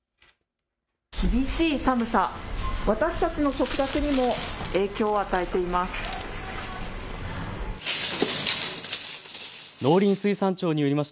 厳しい寒さ、私たちの食卓にも影響を与えています。